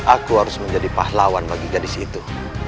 aku harus menjadi pahlawan bagi gadis itu